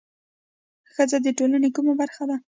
ښځه د ټولنې کومه برخه ده؟